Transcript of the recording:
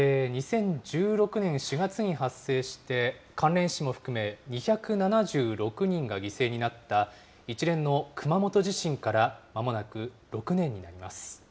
２０１６年４月に発生して関連死も含め２７６人が犠牲になった一連の熊本地震からまもなく６年になります。